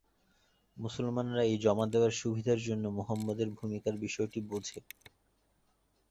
মুসলমানরা এই জমা দেওয়ার সুবিধার জন্য মুহাম্মদের ভূমিকার বিষয়টি বোঝে।